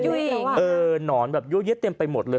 ยุ๊ยยุ๊ยยยเออหนอนแบบยู๊ยเย็บเต็มไปหมดเลย